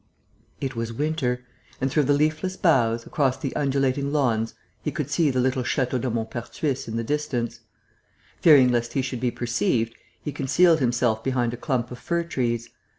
It was winter; and, through the leafless boughs, across the undulating lawns, he could see the little Château de Maupertuis in the distance. Fearing lest he should be perceived, he concealed himself behind a clump of fir trees.